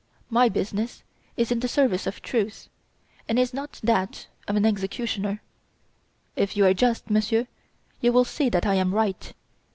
My business is in the service of truth, and is not that of an executioner. If you are just, Monsieur, you will see that I am right.